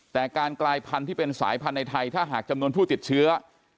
แต่การกลายพันธุ์ที่เป็นสายพันธุ์ในไทยถ้าหากจำนวนผู้ติดเชื้อ